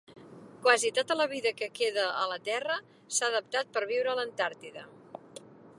Quasi tota la vida que queda a la Terra s'ha adaptat per viure a l'Antàrtida.